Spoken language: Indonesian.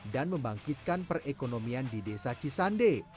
dan membangkitkan perekonomian di desa cisande